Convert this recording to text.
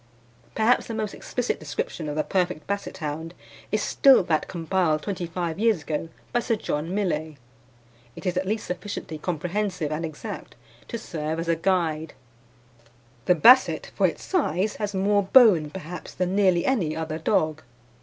Perhaps the most explicit description of the perfect Basset hound is still that compiled twenty five years ago by Sir John Millais. It is at least sufficiently comprehensive and exact to serve as a guide: "The Basset, for its size, has more bone, perhaps, than nearly any other dog.